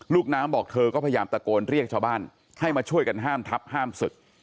ลูกน้ำบอกเธอก็พยายามตะโกนเรียกชาวบ้านให้มาช่วยกันห้ามทับห้ามศึก